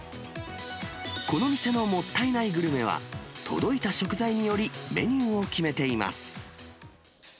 この店のもったいないグルメは、届いた食材により、メニューを決めています。